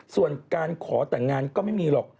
ส่วนการขอแต่งงานก็ไม่มีหรอก